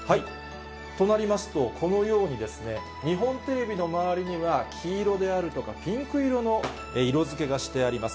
となりますと、このようにですね、日本テレビの周りには、黄色であるとか、ピンク色の色づけがしてあります。